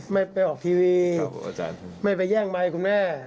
ไม่ไปออกทีวีไม่ไปแย่งไมค์คุณแม่